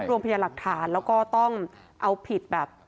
รวบรวมพิจารณ์หลักฐานแล้วก็ต้องเอาผิดแบบ